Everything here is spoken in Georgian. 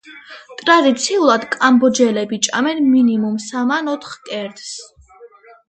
ტრადიციულად, კამბოჯელები ჭამენ მინიმუმ სამ ან ოთხ კერძს.